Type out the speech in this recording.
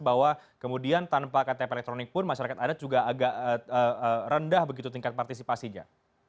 bahwa kemudian tanpa ktp elektronik pun masyarakat adat juga agak rendah begitu tingkat partisipasinya